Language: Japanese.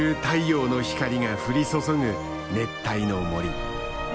太陽の光が降り注ぐ熱帯の森。